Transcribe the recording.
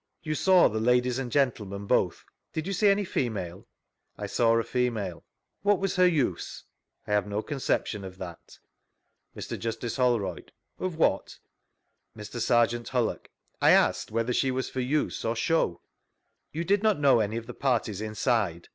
You saw the ladies and gentlemen both. Did you see any female?— I saw a female. ■V Google STANLEY'S EVIDENCE 39 What was her use? — I have no conception of that. Mr. Justice Holrovd: Of what?— Mr. Serjeant Hullock: I aslced whether she was for use or show. You did not know any of the parties inside?